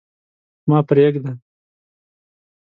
ما پرېږده.